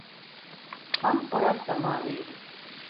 Tam orak zamanıydı.